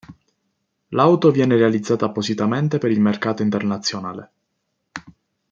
L'auto viene realizzata appositamente per il mercato internazionale.